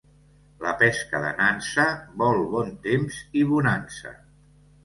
La pesca de nansa vol bon temps i bonança.